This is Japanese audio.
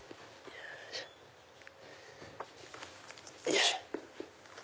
よいしょ。